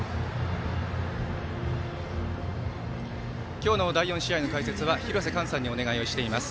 今日の第４試合の解説は廣瀬寛さんにお願いしています。